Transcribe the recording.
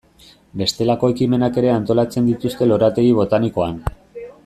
Bestelako ekimenak ere antolatzen dituzte lorategi botanikoan.